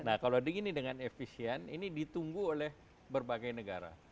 nah kalau digini dengan efisien ini ditunggu oleh berbagai negara